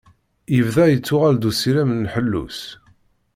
Yebda yettuɣal-d usirem n ḥellu-s.